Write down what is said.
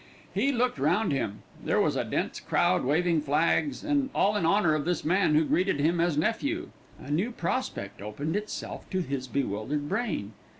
He looked round him. There was a dense crowd waving flags, and all in honour of this man who greeted him as nephew. A new prospect opened itself to his bewildered brain.